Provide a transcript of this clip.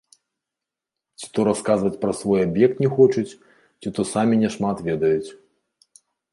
Ці то расказваць пра свой аб'ект не хочуць, ці то самі няшмат ведаюць.